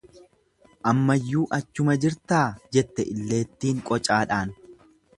Ammayyuu achuma jirtaa jette illeettiin qocaadhaan.